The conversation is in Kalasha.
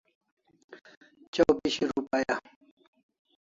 Chaw bishi rupaya